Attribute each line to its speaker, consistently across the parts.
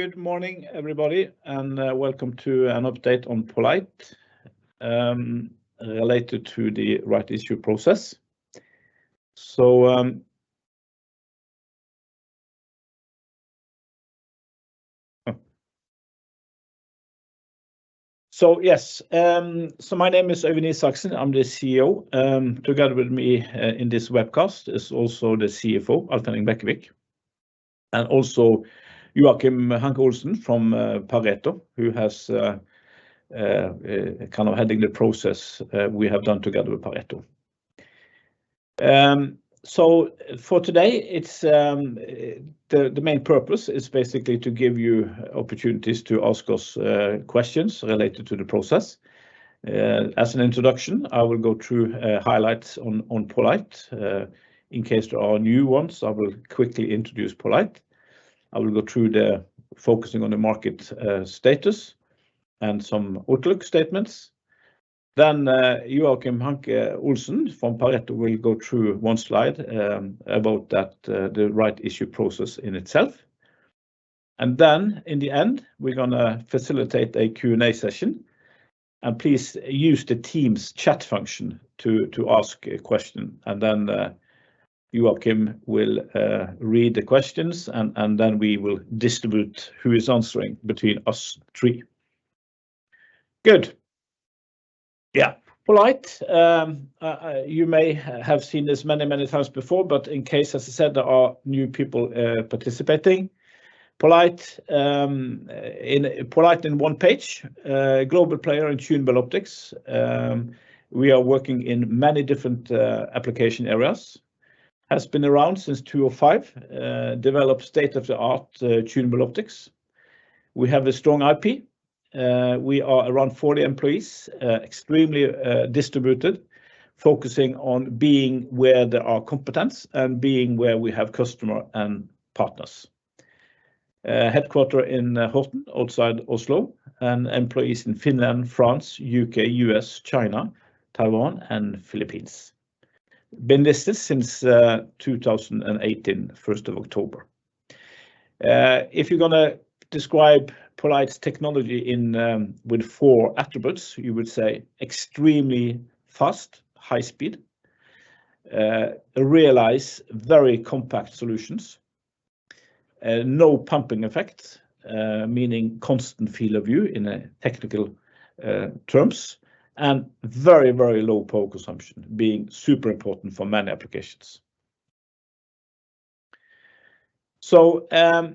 Speaker 1: Good morning, everybody, and welcome to an update on poLight related to the right issue process. Yes, my name is Øyvind Isaksen. I'm the CEO. Together with me in this webcast is also the CFO, Alf Henning Bekkevik, and also Joachim Hanche-Olsen from Pareto, who has kind of heading the process we have done together with Pareto. For today, the main purpose is basically to give you opportunities to ask us questions related to the process. As an introduction, I will go through highlights on poLight. In case there are new ones, I will quickly introduce poLight. I will go through the focusing on the market, status and some outlook statements. Joachim Hanche-Olsen from Pareto will go through one slide about that, the right issue process in itself. In the end, we're gonna facilitate a Q&A session. Please use the team's chat function to ask a question. Joachim will read the questions, and then we will distribute who is answering between us three. Good. Yeah. poLight. You may have seen this many, many times before, but in case, as I said, there are new people participating. poLight, in poLight in one page, global player in tunable optics. We are working in many different application areas. Has been around since 2005, developed state-of-the-art tunable optics. We have a strong IP. We are around 40 employees, extremely distributed, focusing on being where there are competence and being where we have customer and partners. Headquarter in Horten, outside Oslo, and employees in Finland, France, U.K., U.S., China, Taiwan, and Philippines. Been listed since 2018, 1st of October. If you're gonna describe poLight's technology in with 4 attributes, you would say extremely fast, high speed, realize very compact solutions, no pumping effects, meaning constant field of view in technical terms, and very, very low power consumption, being super important for many applications. I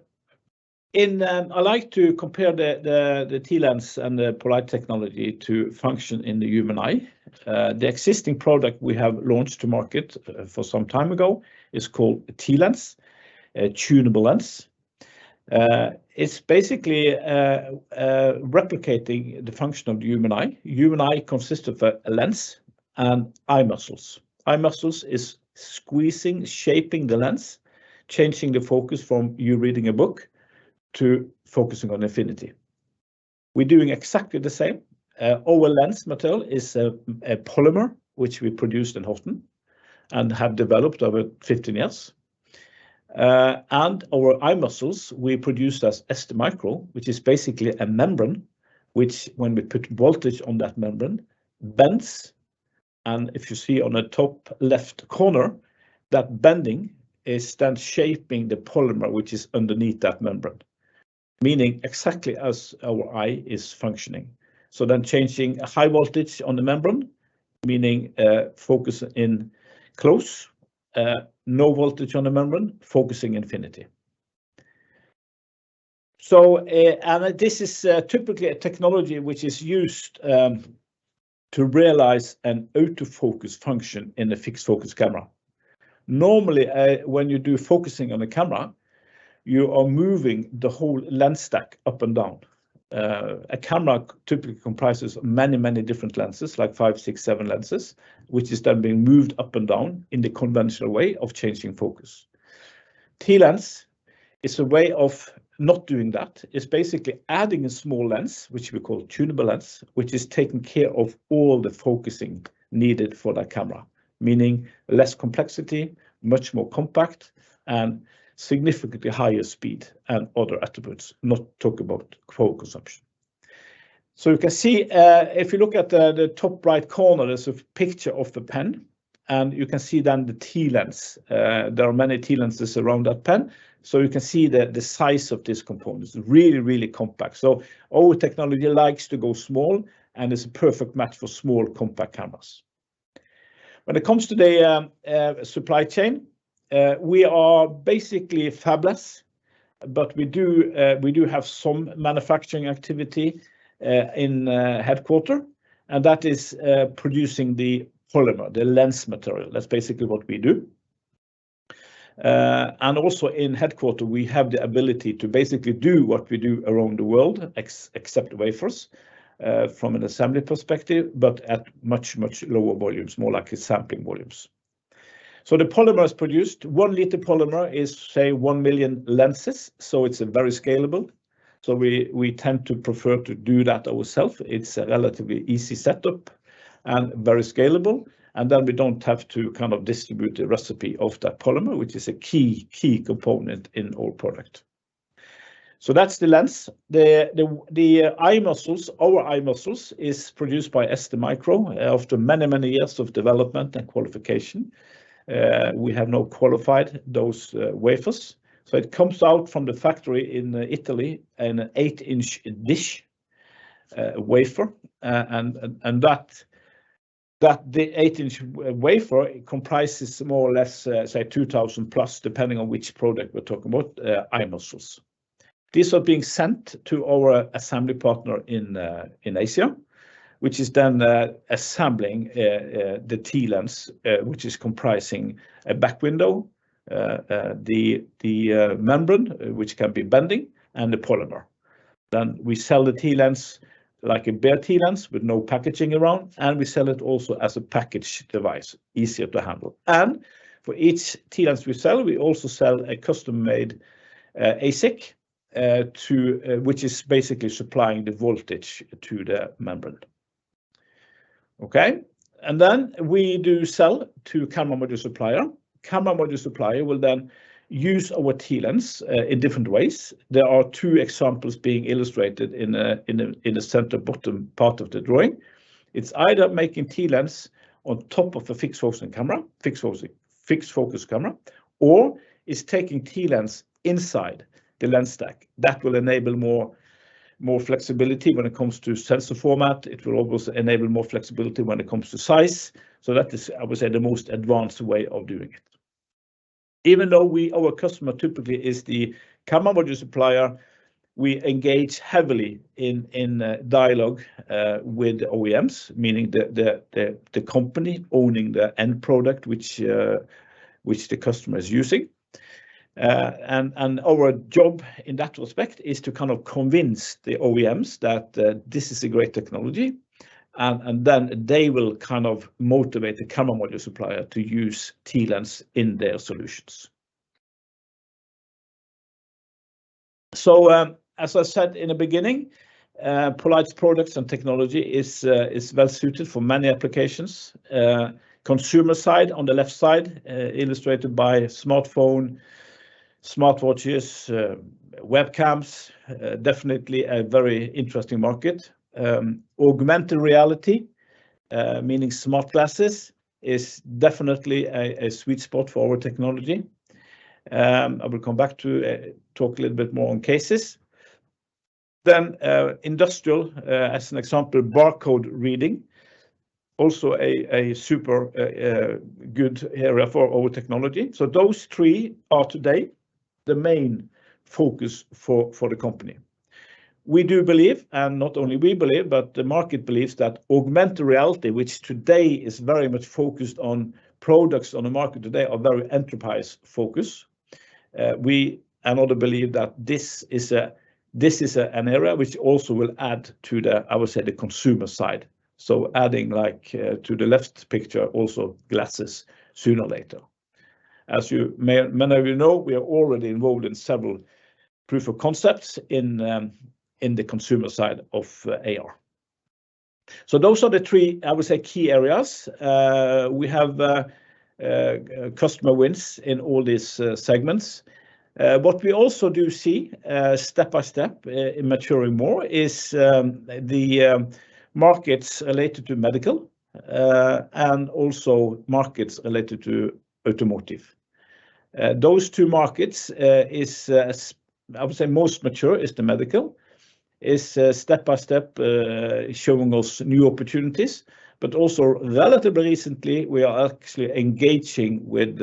Speaker 1: like to compare the TLens and the poLight technology to function in the human eye. The existing product we have launched to market for some time ago is called TLens, a tunable lens. It's basically replicating the function of the human eye. Human eye consist of a lens and eye muscles. Eye muscles is squeezing, shaping the lens, changing the focus from you reading a book to focusing on infinity. We're doing exactly the same. Our lens material is a polymer which we produced in Horten and have developed over 15 years. And our eye muscles we produced as STMicro, which is basically a membrane, which when we put voltage on that membrane, bends. And if you see on the top left corner, that bending is then shaping the polymer which is underneath that membrane, meaning exactly as our eye is functioning. Changing a high voltage on the membrane, meaning focus in close, no voltage on the membrane, focusing infinity. And this is typically a technology which is used to realize an autofocus function in a fixed-focus camera. Normally, when you do focusing on a camera, you are moving the whole lens stack up and down. A camera typically comprises many, many different lenses, like five, six, seven lenses, which is then being moved up and down in the conventional way of changing focus. TLens is a way of not doing that. It's basically adding a small lens, which we call tunable lens, which is taking care of all the focusing needed for that camera, meaning less complexity, much more compact, and significantly higher speed and other attributes, not talk about power consumption. You can see, if you look at the top right corner, there's a picture of a pen, and you can see then the TLens. There are many TLens around that pen. You can see the size of this component is really, really compact. Our technology likes to go small, and it's a perfect match for small compact cameras. When it comes to the supply chain, we are basically fabless, but we do have some manufacturing activity in headquarter, and that is producing the polymer, the lens material. That's basically what we do. And also in headquarter, we have the ability to basically do what we do around the world, except wafers, from an assembly perspective, but at much, much lower volumes, more like sampling volumes. The polymer is produced. 1 liter polymer is, say, 1 million lenses, it's very scalable. We tend to prefer to do that ourself. It's a relatively easy setup and very scalable. We don't have to kind of distribute the recipe of that polymer, which is a key component in our product. That's the lens. The eye muscles, our eye muscles is produced by STMicro after many, many years of development and qualification. We have now qualified those wafers. It comes out from the factory in Italy, an 8-inch dish wafer. That the 8-inch wafer comprises more or less, say 2,000+, depending on which product we're talking about, eye muscles. These are being sent to our assembly partner in Asia, which is then assembling the TLens, which is comprising a back window, the membrane, which can be bending, and the polymer. We sell the TLens, like a bare TLens with no packaging around, and we sell it also as a package device, easier to handle. For each TLens we sell, we also sell a custom-made ASIC to which is basically supplying the voltage to the membrane. Okay? We do sell to camera module supplier. Camera module supplier will then use our TLens in different ways. There are two examples being illustrated in the center bottom part of the drawing. It's either making TLens on top of a fixed-focusing camera, fixed-focus camera, or it's taking TLens inside the lens stack. That will enable more flexibility when it comes to sensor format. It will also enable more flexibility when it comes to size. That is, I would say, the most advanced way of doing it. Even though we, our customer typically is the camera module supplier, we engage heavily in dialogue with OEMs, meaning the company owning the end product which the customer is using. Our job in that respect is to kind of convince the OEMs that this is a great technology, then they will kind of motivate the camera module supplier to use TLens in their solutions. As I said in the beginning, poLight's products and technology is well suited for many applications. Consumer side, on the left side, illustrated by smartphone, smartwatches, webcams, definitely a very interesting market. Augmented reality, meaning smart glasses, is definitely a sweet spot for our technology. I will come back to talk a little bit more on cases. Industrial, as an example, barcode reading, also a super good area for our technology. Those three are today the main focus for the company. We do believe, and not only we believe, but the market believes, that augmented reality, which today is very much focused on products on the market today are very enterprise-focused. We another believe that this is a, an area which also will add to the, I would say, the consumer side. Adding, like, to the left picture, also glasses sooner or later. As you may, many of you know, we are already involved in several proof of concepts in the consumer side of AR. Those are the three, I would say, key areas. We have customer wins in all these segments. What we also do see step by step in maturing more is the markets related to medical and also markets related to automotive. Those two markets is I would say most mature is the medical. Step by step showing us new opportunities, but also relatively recently we are actually engaging with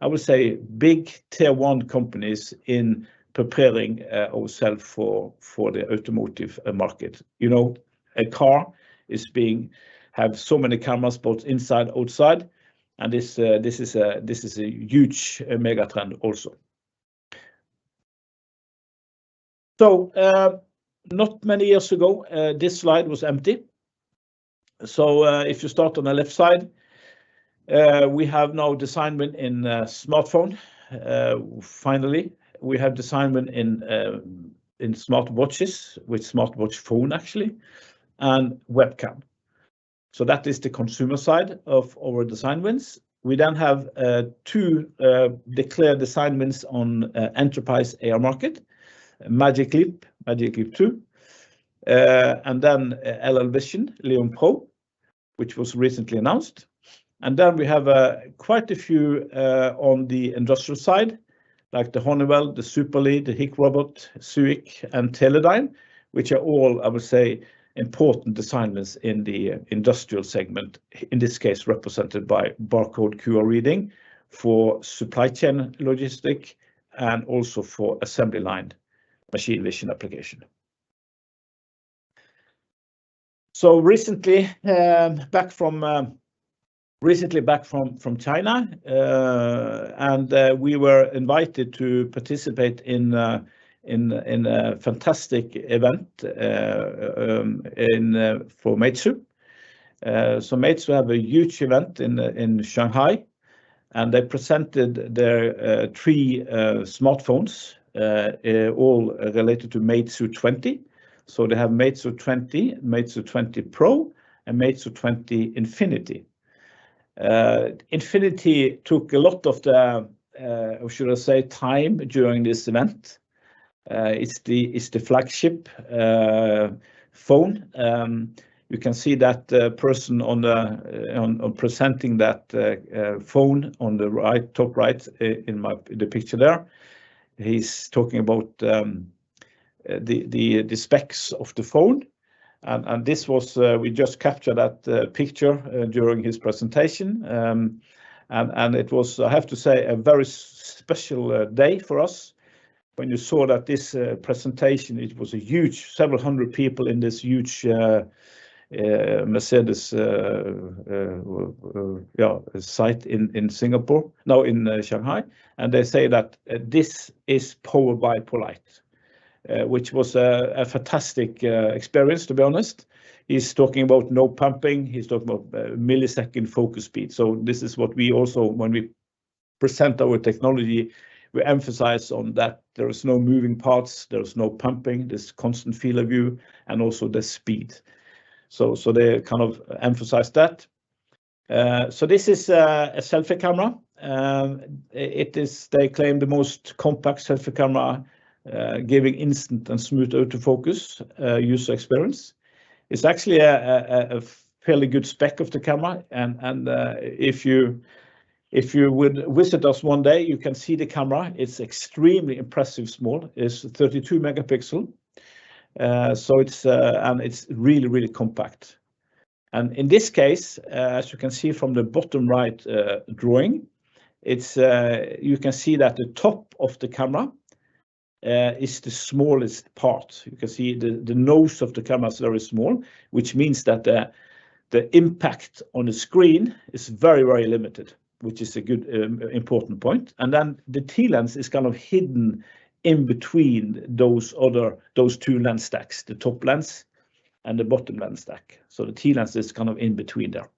Speaker 1: I would say, big Tier 1 companies in preparing ourself for the automotive market. You know, a car have so many cameras both inside, outside, and this is a huge mega trend also. Not many years ago, this slide was empty. If you start on the left side, we have now design win in smartphone finally. We have design win in smartwatches, with smartwatch phone actually, and webcam. That is the consumer side of our design wins. We then have two declared design wins on enterprise AR market, Magic Leap, Magic Leap 2, and then LLVISION, Leion Pro, which was recently announced. Then we have quite a few on the industrial side, like the Honeywell, the Superlead, the HIKROBOT, Seuic, and Teledyne, which are all, I would say, important design wins in the industrial segment, in this case represented by barcode/QR reading for supply chain logistic and also for assembly line machine vision application. Recently back from China, and we were invited to participate in a fantastic event in for Meizu. Meizu have a huge event in Shanghai. They presented their three smartphones all related to Meizu 20. They have Meizu 20, Meizu 20 Pro, and Meizu 20 Infinity. Infinity took a lot of the or should I say, time during this event. It's the flagship phone. You can see that person on the presenting that phone on the right, top right, in my, the picture there. He's talking about the specs of the phone. This was, we just captured that picture during his presentation. It was, I have to say, a very special day for us. When you saw that this presentation, it was a huge, several hundred people in this huge Mercedes site in Singapore... no, in Shanghai. They say that this is powered by poLight. Which was a fantastic experience, to be honest. He's talking about no pumping, he's talking about millisecond focus speed. This is what we also, when we present our technology, we emphasize on that there is no moving parts, there is no pumping, there's constant field of view, and also the speed. They kind of emphasize that. This is a selfie camera. It is, they claim, the most compact selfie camera, giving instant and smooth out of focus user experience. It's actually a fairly good spec of the camera. If you would visit us one day, you can see the camera. It's extremely impressive small. It's 32 MP. So it's really compact. In this case, as you can see from the bottom right drawing, it's you can see that the top of the camera is the smallest part. You can see the nose of the camera is very small, which means that the impact on the screen is very limited, which is a good important point. The TLens is kind of hidden in between those two lens stacks, the top lens and the bottom lens stack. The TLens is kind of in between there.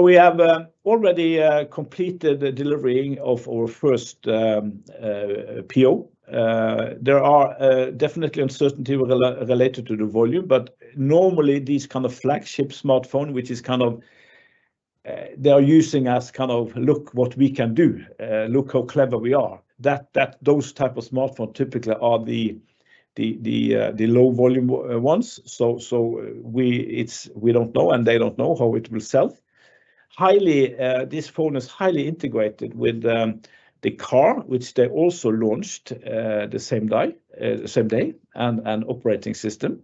Speaker 1: We have already completed the delivering of our first PO. There are definitely uncertainty related to the volume, but normally these kind of flagship smartphone, which is kind of, they are using as kind of, "Look what we can do. Look how clever we are." Those type of smartphone typically are the low volume ones. We don't know, and they don't know how it will sell. Highly, this phone is highly integrated with the car, which they also launched the same die, same day, and operating system.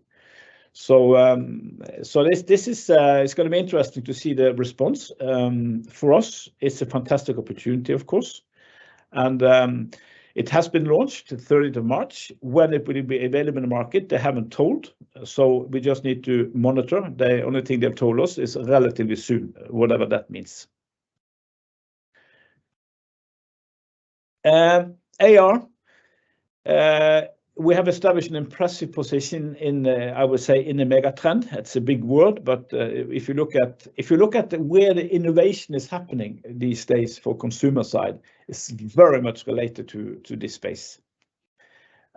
Speaker 1: This is gonna be interesting to see the response. For us, it's a fantastic opportunity, of course. It has been launched the 30th of March. When it will be available in the market, they haven't told, so we just need to monitor. The only thing they've told us is relatively soon, whatever that means. AR, we have established an impressive position in the, I would say, in the mega trend. It's a big word, but if you look at where the innovation is happening these days for consumer side, it's very much related to this space.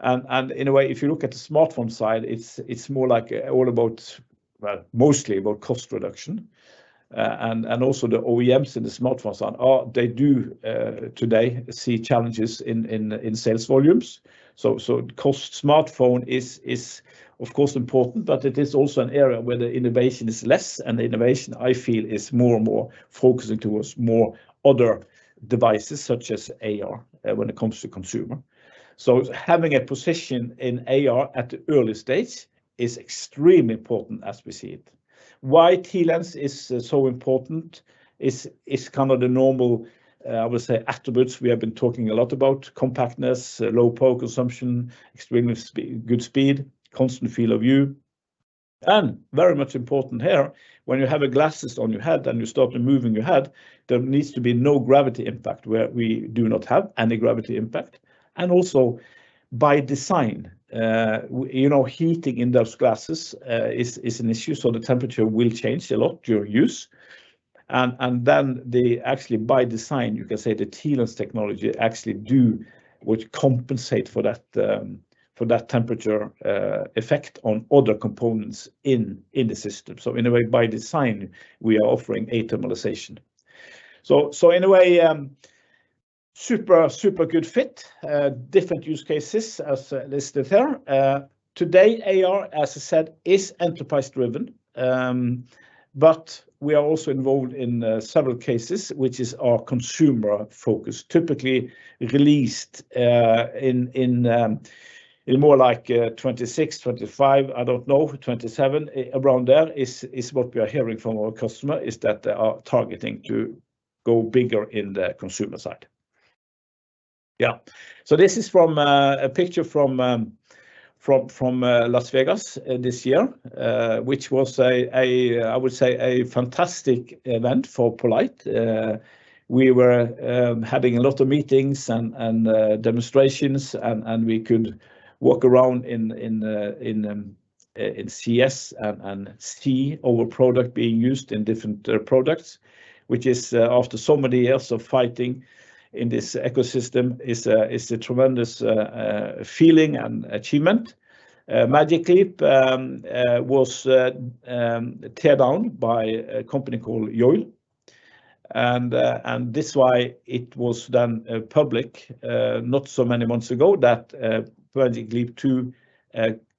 Speaker 1: In a way, if you look at the smartphone side, it's more like all about, well, mostly about cost reduction. Also the OEMs in the smartphone side are, they do today see challenges in sales volumes. Cost smartphone is of course important, but it is also an area where the innovation is less, and the innovation I feel is more and more focusing towards more other devices such as AR when it comes to consumer. Having a position in AR at the early stage is extremely important as we see it. Why TLens is so important is kind of the normal, I would say, attributes we have been talking a lot about. Compactness, low power consumption, extremely good speed, constant field of view. Very much important here, when you have a glasses on your head and you start moving your head, there needs to be no gravity impact, where we do not have any gravity impact. Also by design, heating in those glasses is an issue, so the temperature will change a lot during use. Then the actually by design, you can say the TLens technology actually do, which compensate for that, for that temperature effect on other components in the system. In a way, by design, we are offering athermalization. In a way, super good fit. Different use cases as listed there. Today, AR, as I said, is enterprise driven. We are also involved in several cases, which is our consumer focus, typically released in more like 2026, 2025, I don't know, 2027, around there is what we are hearing from our customer, is that they are targeting to go bigger in the consumer side. This is from a picture from Las Vegas this year. Which was I would say a fantastic event for poLight. We were having a lot of meetings and demonstrations and we could walk around in CES and see our product being used in different products, which is after so many years of fighting in this ecosystem is a tremendous feeling and achievement. Magic Leap was teared down by a company called Yole and this is why it was done public not so many months ago that Magic Leap 2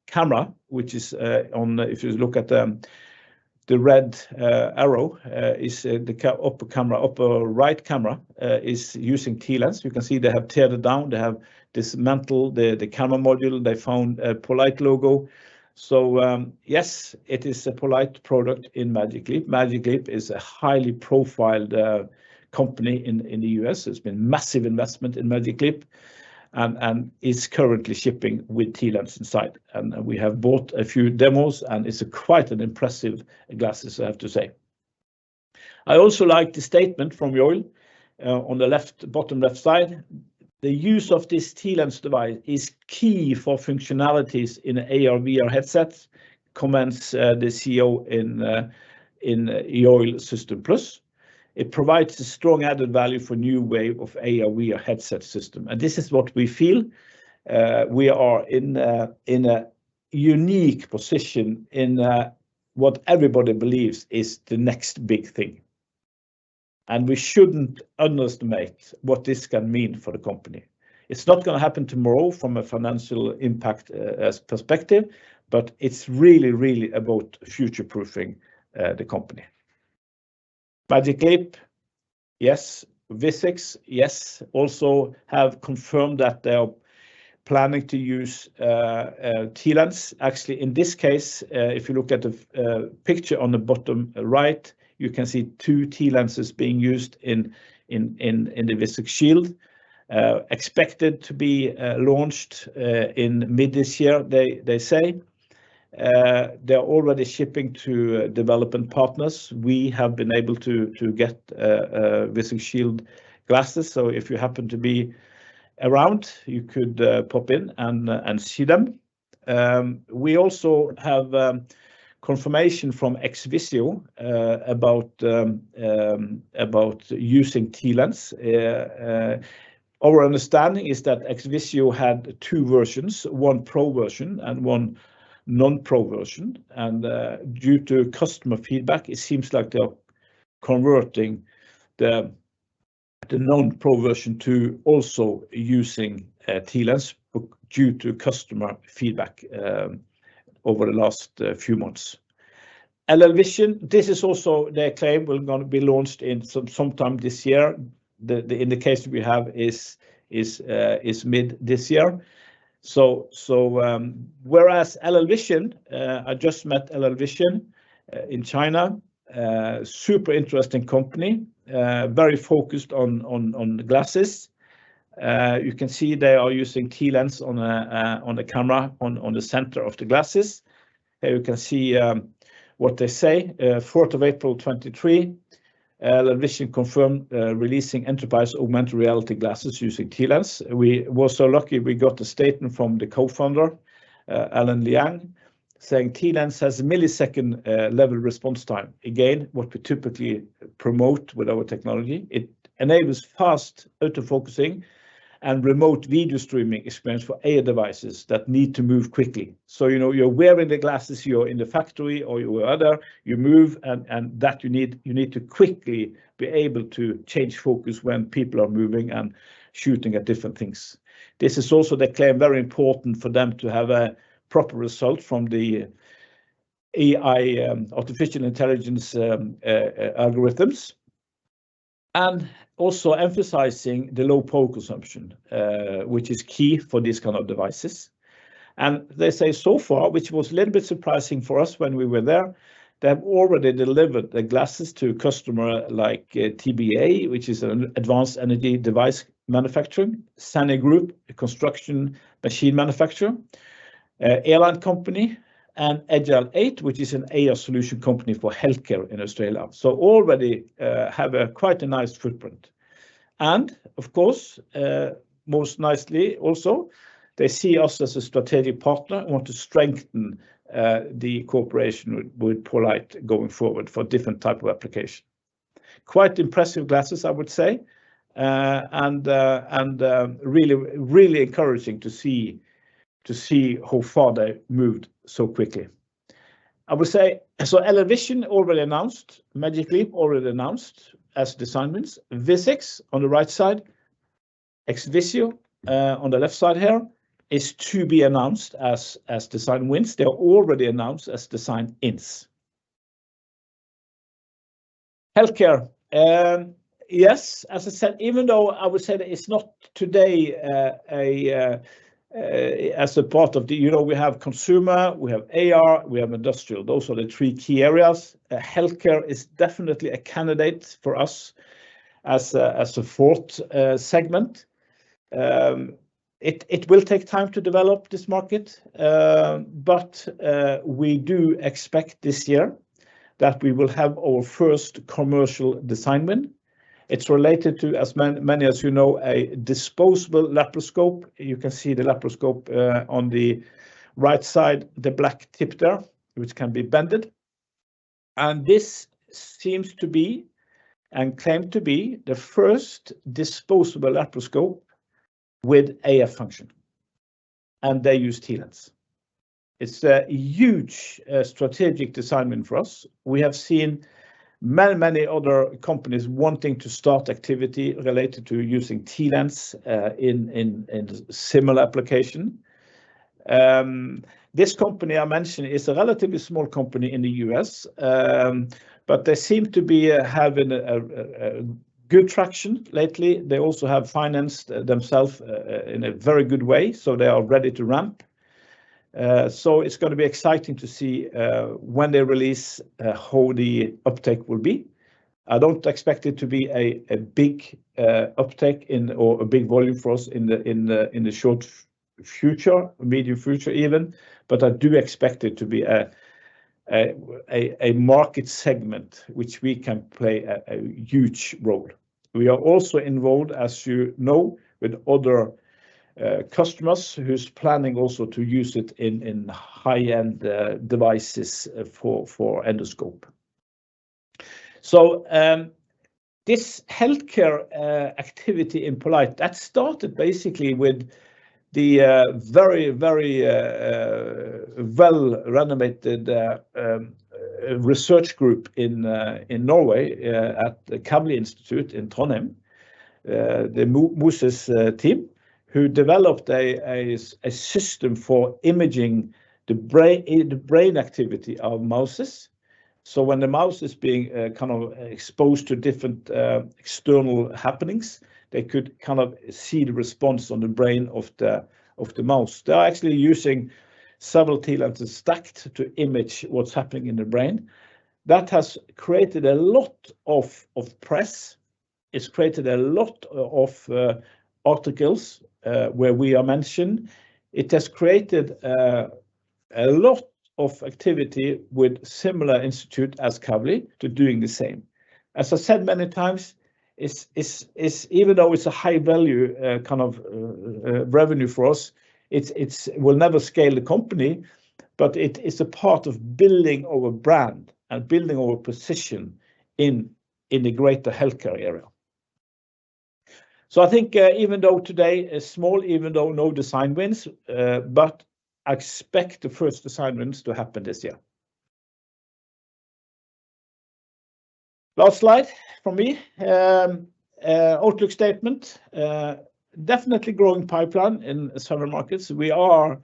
Speaker 1: camera, which is if you look at the red arrow, is the upper camera, upper right camera, is using TLens. You can see they have teared it down. They have dismantled the camera module. They found a poLight logo. Yes, it is a poLight product in Magic Leap. Magic Leap is a highly profiled company in the U.S. There's been massive investment in Magic Leap and is currently shipping with TLens inside. We have bought a few demos, and it's a quite an impressive glasses, I have to say. I also like the statement from Yole, on the left, bottom left side. "The use of this TLens device is key for functionalities in AR/VR headsets," comments the CEO in Yole System+. It provides a strong added value for new wave of AR/VR headset system. This is what we feel we are in a unique position in what everybody believes is the next big thing, and we shouldn't underestimate what this can mean for the company. It's not gonna happen tomorrow from a financial impact perspective, but it's really about future-proofing the company. Magic Leap. Yes. Vuzix. Yes. Also have confirmed that they are planning to use TLens. Actually, in this case, if you look at the picture on the bottom right, you can see two TLenses being used in the Vuzix Shield. Expected to be launched in mid this year, they say. They're already shipping to development partners. We have been able to get Vuzix Shield glasses, so if you happen to be around, you could pop in and see them. We also have confirmation from XVisio about using TLens. Our understanding is that XVisio had two versions, one Pro version and one non-Pro version, and due to customer feedback, it seems like they are converting the non-Pro version to also using TLens due to customer feedback over the last few months. LLVISION, this is also their claim will, gonna be launched sometime this year. The indication we have is mid this year. Whereas LLVISION I just met LLVISION in China. Super interesting company, very focused on the glasses. You can see they are using TLens on the camera on the center of the glasses. You can see what they say. 4th of April 2023, LLVISION confirmed releasing enterprise augmented reality glasses using TLens. We were so lucky we got a statement from the Co-founder, Allan Liang, saying, "TLens has a millisecond level response time." What we typically promote with our technology. "It enables fast auto-focusing and remote video streaming experience for AR devices that need to move quickly." You know, you're wearing the glasses, you're in the factory or you're other, you move and that you need to quickly be able to change focus when people are moving and shooting at different things. This is also, they claim, very important for them to have a proper result from the AI, artificial intelligence algorithms. Also emphasizing the low power consumption, which is key for these kind of devices. They say so far, which was a little bit surprising for us when we were there, they have already delivered the glasses to customer like TBEA, which is an advanced energy device manufacturer, SANY Group, a construction machine manufacturer, Airline Company, and Agili8, which is an AR solution company for healthcare in Australia. Already have a quite a nice footprint. Of course, most nicely also, they see us as a strategic partner and want to strengthen the cooperation with poLight going forward for different type of application. Quite impressive glasses, I would say. Really encouraging to see how far they've moved so quickly. I would say. LLVISION already announced, Magic Leap already announced as design wins. XVisio on the right side, XVisio on the left side here, is to be announced as design wins. They're already announced as design-ins. Healthcare. Yes, as I said, even though I would say that it's not today as a part of the... You know, we have consumer, we have AR, we have industrial. Those are the three key areas. Healthcare is definitely a candidate for us as a fourth segment. It will take time to develop this market, but we do expect this year that we will have our first commercial design win. It's related to many as you know, a disposable laparoscope. You can see the laparoscope, on the right side, the black tip there, which can be bended, and this seems to be, and claimed to be, the first disposable laparoscope with AF function, and they use TLens. It's a huge, strategic design win for us. We have seen many, many other companies wanting to start activity related to using TLens, in, in similar application. This company I mentioned is a relatively small company in the U.S., but they seem to be, having a, a good traction lately. They also have financed themself, in a very good way, so they are ready to ramp. It's gonna be exciting to see, when they release, how the uptake will be. I don't expect it to be a big uptake in, or a big volume for us in the short future, medium future even, but I do expect it to be a market segment which we can play a huge role. We are also involved, as you know, with other customers who's planning also to use it in high-end devices for endoscope. This healthcare activity in poLight, that started basically with the very, very well-renovated research group in Norway, at the Kavli Institute in Trondheim, the mouses team, who developed a system for imaging the brain activity of mouses. When the mouse is being kind of exposed to different external happenings, they could kind of see the response on the brain of the mouse. They are actually using several TLens stacked to image what's happening in the brain. That has created a lot of press. It's created a lot of articles where we are mentioned. It has created a lot of activity with similar institute as Kavli to doing the same. As I said many times, it's, even though it's a high-value kind of revenue for us, it's will never scale the company, but it is a part of building our brand and building our position in the greater healthcare area. I think, even though today is small, even though no design wins, but I expect the first design wins to happen this year. Last slide from me. Outlook statement. Definitely growing pipeline in several markets. We are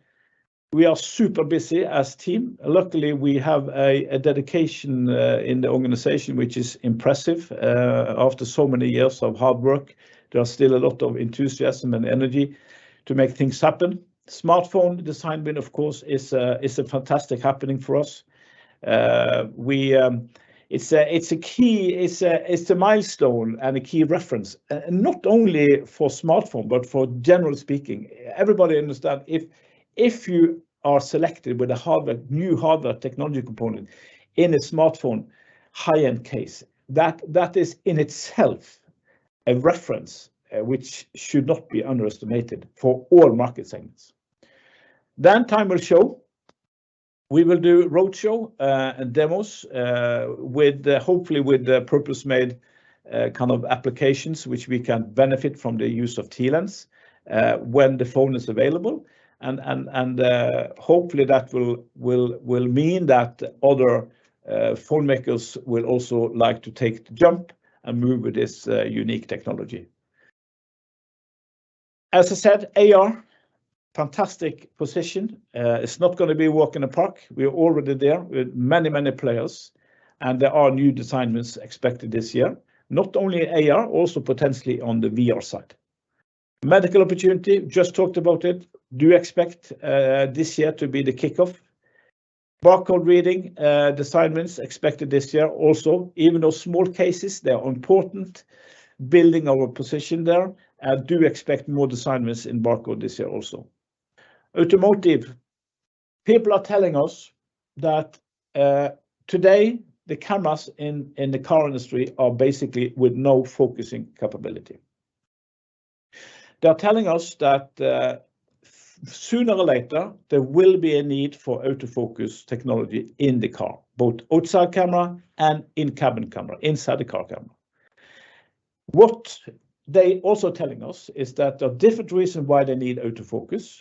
Speaker 1: super busy as team. Luckily, we have a dedication in the organization which is impressive. After so many years of hard work, there are still a lot of enthusiasm and energy to make things happen. Smartphone design win, of course, is a fantastic happening for us. We, it's a key, it's a milestone and a key reference and not only for smartphone but for general speaking. Everybody understand if you are selected with a hardware, new hardware technology component in a smartphone high-end case, that is in itself a reference, which should not be underestimated for all market segments. Time will show. We will do road show and demos, hopefully with the purpose-made kind of applications which we can benefit from the use of TLens when the phone is available and hopefully that will mean that other phone makers will also like to take the jump and move with this unique technology. As I said, AR, fantastic position. It's not gonna be walk in the park. We're already there with many players, there are new design wins expected this year, not only AR, also potentially on the VR side. Medical opportunity, just talked about it. Do expect this year to be the kickoff. Barcode reading, design wins expected this year also. Even though small cases, they are important. Building our position there. I do expect more design wins in barcode this year also. Automotive, people are telling us that today the cameras in the car industry are basically with no focusing capability. They're telling us that sooner or later, there will be a need for autofocus technology in the car, both outside camera and in-cabin camera, inside-the-car camera. What they also telling us is that there are different reason why they need autofocus.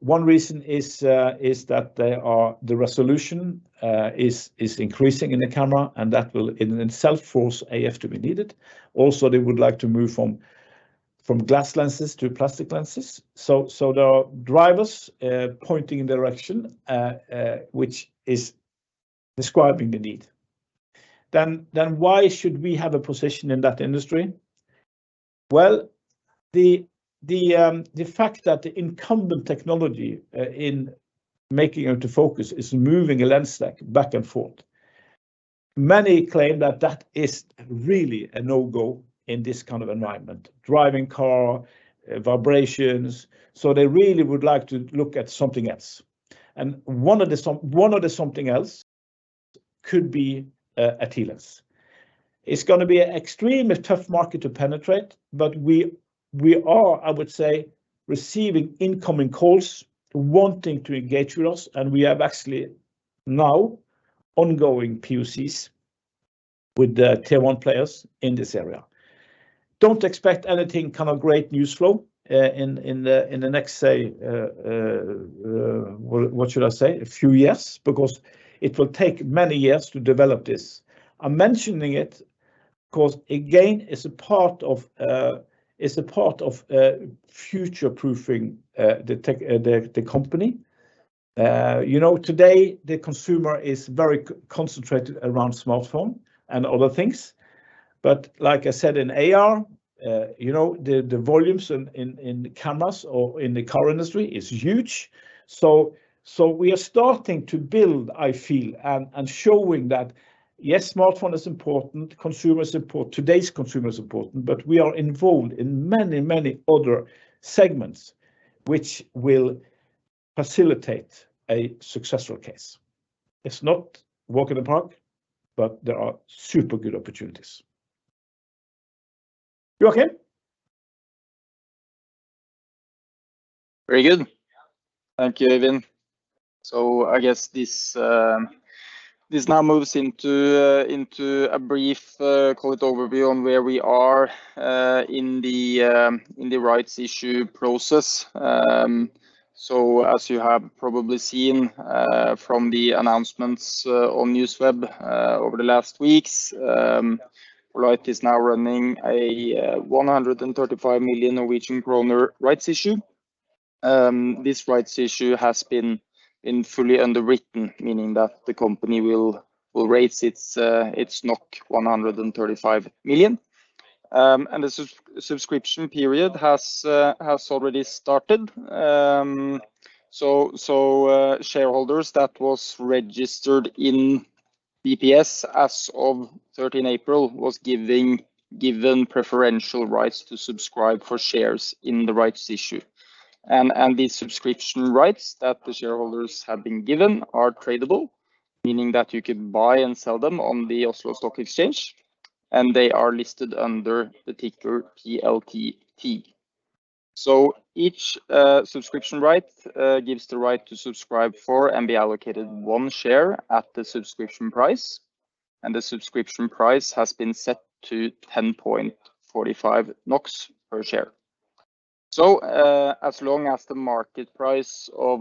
Speaker 1: One reason is that they are, the resolution is increasing in the camera, that will in itself force AF to be needed. They would like to move from glass lenses to plastic lenses. There are drivers pointing in direction Describing the need. Why should we have a position in that industry? The fact that the incumbent technology in making them to focus is moving a lens stack back and forth, many claim that that is really a no-go in this kind of environment. Driving car, vibrations, they really would like to look at something else. One of the something else could be a TLens. It's gonna be a extremely tough market to penetrate, we are, I would say, receiving incoming calls wanting to engage with us, we have actually now ongoing POCs with the Tier 1 players in this area. Don't expect anything kind of great news flow in the next, say, what should I say? A few years, because it will take many years to develop this. I'm mentioning it 'cause again, it's a part of future-proofing the company. You know, today the consumer is very concentrated around smartphone and other things, but like I said, in AR, you know, the volumes in cameras or in the car industry is huge. We are starting to build, I feel, and showing that, yes, smartphone is important, consumer is important, today's consumer is important, but we are involved in many other segments which will facilitate a successful case. It's not walk in the park, but there are super good opportunities. Joachim?
Speaker 2: Very good. Thank you, Øyvind. I guess this now moves into a brief call it overview on where we are in the rights issue process. As you have probably seen from the announcements on Newsweb over the last weeks, poLight is now running a 135 million Norwegian kroner rights issue. This rights issue has been fully underwritten, meaning that the company will raise its 135 million. The subscription period has already started. Shareholders that was registered in VPS as of 13 April was given preferential rights to subscribe for shares in the rights issue. The subscription rights that the shareholders have been given are tradable, meaning that you can buy and sell them on the Oslo Stock Exchange, and they are listed under the ticker PLTT. Each subscription right gives the right to subscribe for and be allocated one share at the subscription price, and the subscription price has been set to 10.45 NOK per share. As long as the market price of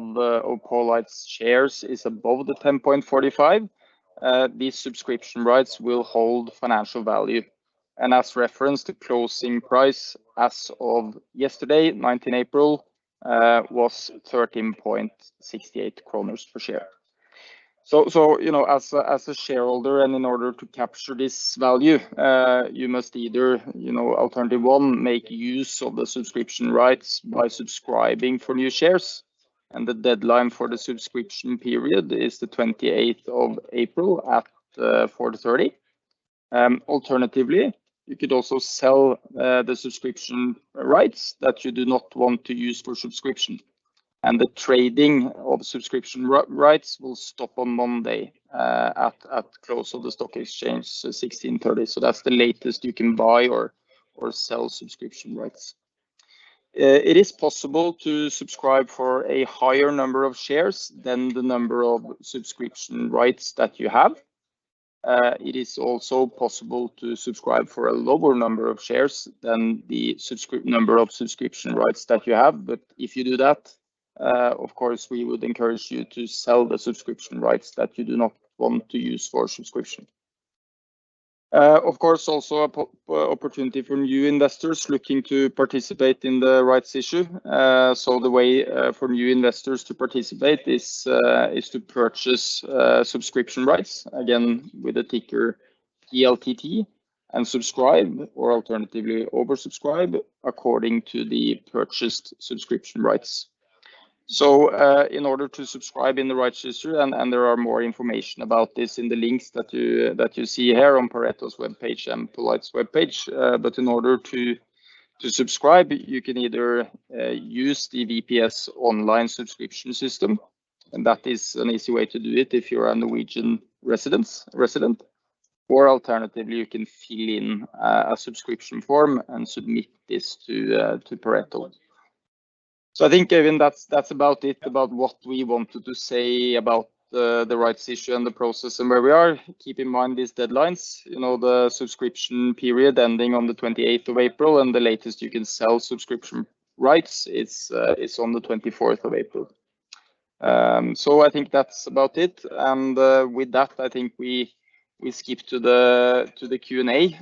Speaker 2: poLight's shares is above 10.45, these subscription rights will hold financial value. As referenced, the closing price as of yesterday, 19 April, was 13.68 kroner per share. You know, as a shareholder and in order to capture this value, you must either, you know, alternative one, make use of the subscription rights by subscribing for new shares, and the deadline for the subscription period is the 28th of April at 4:30. Alternatively, you could also sell the subscription rights that you do not want to use for subscription. The trading of subscription rights will stop on Monday, at close of the stock exchange, 16:30. That's the latest you can buy or sell subscription rights. It is possible to subscribe for a higher number of shares than the number of subscription rights that you have. It is also possible to subscribe for a lower number of shares than the number of subscription rights that you have. If you do that, of course, we would encourage you to sell the subscription rights that you do not want to use for subscription. Of course, also an opportunity for new investors looking to participate in the rights issue. The way for new investors to participate is to purchase subscription rights, again, with the ticker PLTT, and subscribe, or alternatively oversubscribe according to the purchased subscription rights. In order to subscribe in the right system, and there is more information about this in the links that you see here on Pareto's webpage and poLight's webpage. In order to subscribe, you can either use the VPS online subscription system, and that is an easy way to do it if you're a Norwegian resident. Alternatively, you can fill in a subscription form and submit this to Pareto. I think, Øyvind, that's about it, about what we wanted to say about the rights issue and the process and where we are. Keep in mind these deadlines, you know, the subscription period ending on the 28th of April and the latest you can sell subscription rights, it's on the 24th of April. I think that's about it. With that, I think we skip to the Q&A.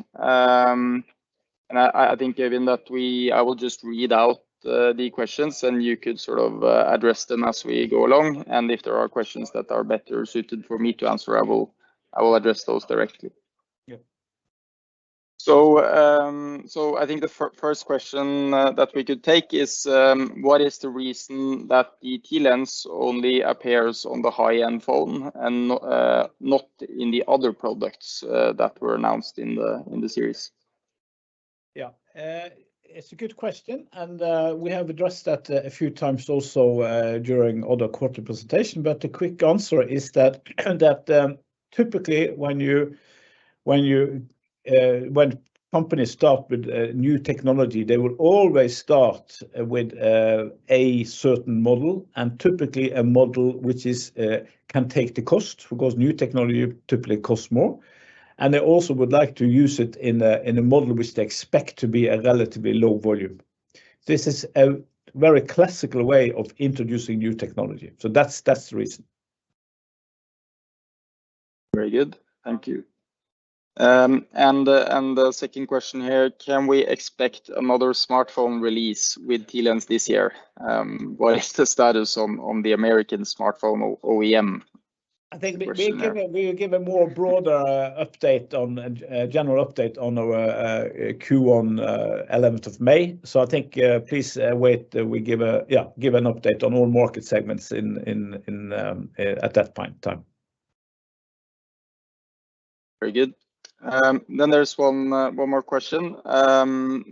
Speaker 2: I think, given that I will just read out the questions, and you could sort of address them as we go along. If there are questions that are better suited for me to answer, I will address those directly.
Speaker 1: Yeah.
Speaker 2: I think the first question that we could take is what is the reason that the TLens only appears on the high-end phone and not not in the other products that were announced in the series?
Speaker 1: Yeah. It's a good question. We have addressed that a few times also, during other quarter presentation. The quick answer is that, typically when you, when companies start with a new technology, they will always start with a certain model, and typically a model which is, can take the cost because new technology typically costs more. They also would like to use it in a model which they expect to be a relatively low volume. This is a very classical way of introducing new technology. That's the reason.
Speaker 2: Very good. Thank you. The second question here: Can we expect another smartphone release with TLens this year? What is the status on the American smartphone OEM person there?
Speaker 1: I think we give a general update on our Q1, 11th of May. I think, please wait. We give a, yeah, give an update on all market segments at that fine time.
Speaker 2: Very good. There's one more question. In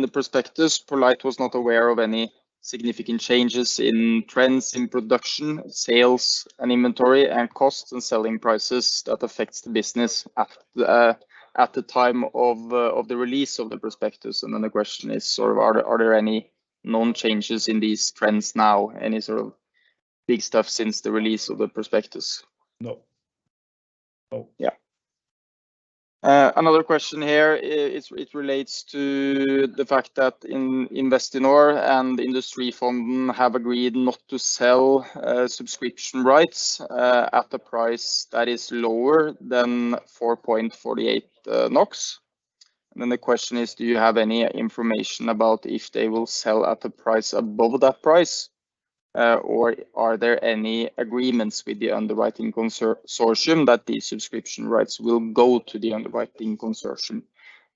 Speaker 2: the prospectus, poLight was not aware of any significant changes in trends in production, sales, and inventory and costs and selling prices that affects the business at the time of the release of the prospectus. The question is sort of are there any known changes in these trends now, any sort of big stuff since the release of the prospectus?
Speaker 1: No. No.
Speaker 2: Yeah. Another question here, it relates to the fact that Investinor and Industrifonden have agreed not to sell subscription rights at a price that is lower than 4.48 NOK. The question is, do you have any information about if they will sell at a price above that price, or are there any agreements with the underwriting consortium that the subscription rights will go to the underwriting consortium?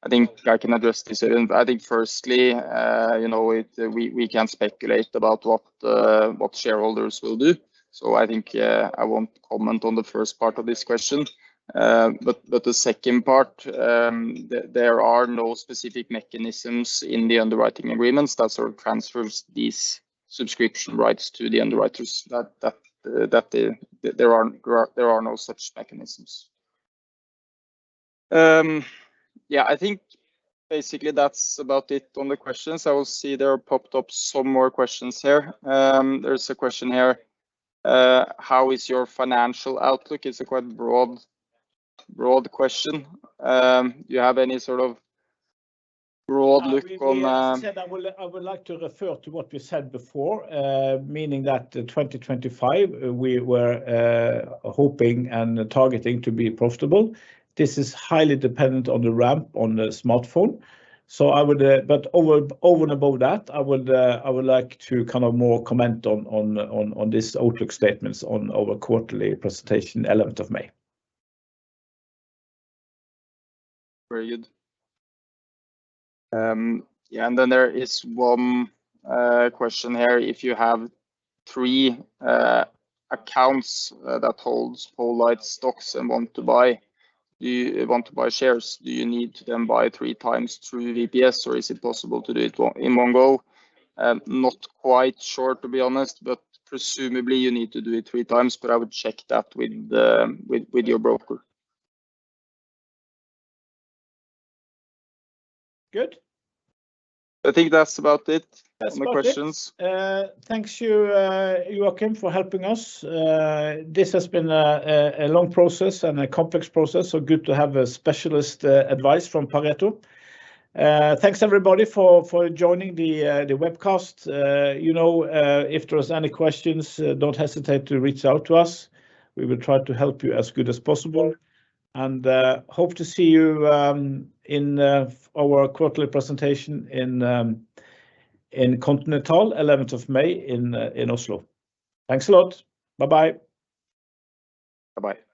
Speaker 2: I think I can address this. I think firstly, you know, we can speculate about what shareholders will do. I won't comment on the first part of this question. The second part, there are no specific mechanisms in the underwriting agreements that sort of transfers these subscription rights to the underwriters that there are no such mechanisms. Yeah, I think basically that's about it on the questions. I will see there are popped up some more questions here. There's a question here: How is your financial outlook? It's a quite broad question. Do you have any sort of broad look on-
Speaker 1: We have said I would like to refer to what we said before, meaning that 2025, we were hoping and targeting to be profitable. This is highly dependent on the ramp on the smartphone. But over and above that, I would like to kind of more comment on this outlook statements on our quarterly presentation 11th of May.
Speaker 2: Very good. There is one question here. If you have three accounts that holds poLight stocks and want to buy, you want to buy shares, do you need to then buy three times through the VPS, or is it possible to do it in one go? Not quite sure, to be honest, but presumably you need to do it three times. I would check that with your broker.
Speaker 1: Good.
Speaker 2: I think that's about it.
Speaker 1: That's about it.
Speaker 2: Any questions?
Speaker 1: Thank you, Joachim, for helping us. This has been a long process and a complex process, so good to have a specialist advice from Pareto Securities. Thanks everybody for joining the webcast. You know, if there's any questions, don't hesitate to reach out to us. We will try to help you as good as possible. Hope to see you in our quarterly presentation in Hotel Continental 11th of May in Oslo. Thanks a lot. Bye-bye.
Speaker 2: Bye-bye.